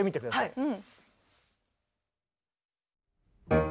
はい。